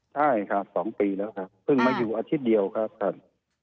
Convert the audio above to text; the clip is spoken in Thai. ใช่ครับ๒ปีแล้วครับเพิ่งมาอยู่อาทิตย์เดียวครับท่าน